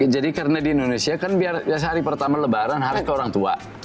jadi karena di indonesia kan biasa hari pertama lebaran harus ke orang tua